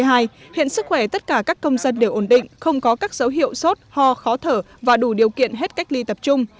hiện sức khỏe tất cả các công dân đều ổn định không có các dấu hiệu sốt ho khó thở và đủ điều kiện hết cách ly tập trung